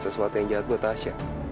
sesuatu yang jahat buat tasha